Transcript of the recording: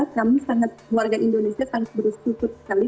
kami sangat warga indonesia sangat bersyukur sekali